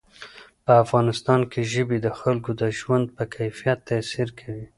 په افغانستان کې ژبې د خلکو د ژوند په کیفیت تاثیر کوي.